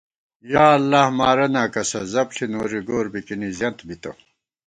یا اللہ مارَنا کسہ زپݪی نوری گور بِکِنی زیَنت بِتہ